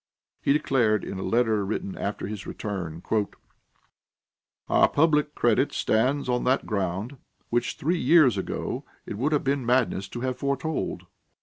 He declared in a letter written after his return: "Our public credit stands on that ground, which, three years ago, it would have been madness to have foretold.